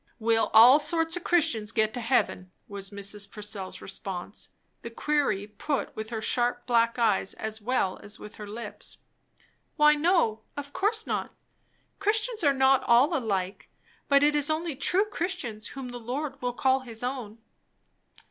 "Will all sorts of Christians get to heaven," was Mrs. Purcell's response, the query put with her sharp black eyes as well as with her lips. "Why no! Of course not. Christians are not all alike; but it is only true Christians whom the Lord will call his own."